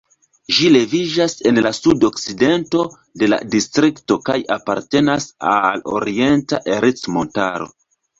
Ĝi leviĝas en la sudokcidento de la distrikto kaj apartenas al Orienta Ercmontaro.